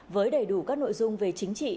với đầy đủ các nội dung về chính trị